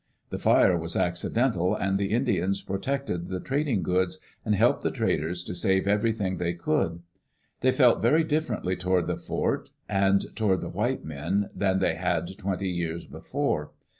The fire was accidental, and the Indians protected the trading goods, and helped the traders to save everything they could. They felt very differently toward the fort and toward the white men than they had twenty years before.